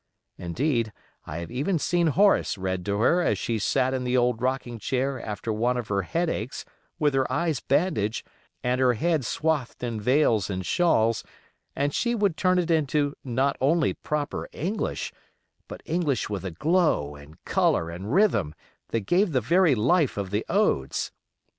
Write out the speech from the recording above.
Indeed, I have even seen Horace read to her as she sat in the old rocking chair after one of her headaches, with her eyes bandaged, and her head swathed in veils and shawls, and she would turn it into not only proper English, but English with a glow and color and rhythm that gave the very life of the odes.